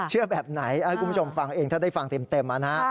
แบบไหนให้คุณผู้ชมฟังเองถ้าได้ฟังเต็มนะฮะ